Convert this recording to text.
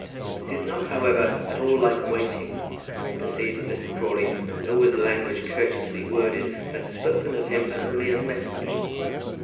He did not, however, at all like waiting, having perceived that Mr. Crawley, though with language courteously worded, had spoken of him as a mere messenger.